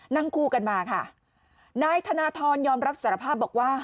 นั่งคู่กันมาค่ะนายธนทรยอมรับสารภาพบอกว่า